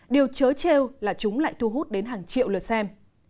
điều chớ treo là chúng lại thu hút đến hàng triệu lượt xem